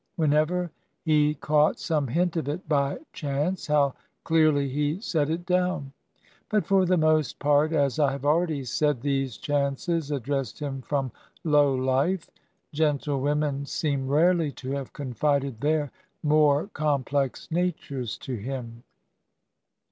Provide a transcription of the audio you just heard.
Whenever he caught some hint of it by chance, how clearly he set it downl But for the most part, as I have already said, these chances addressed him from low life; gentle women seem rarely to have confided their more com plex natures to him.